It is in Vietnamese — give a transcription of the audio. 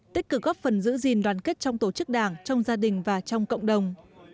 tích cực góp phần giữ gìn đoàn kết trong tổ chức đảng trong gia đình và trong cộng đồng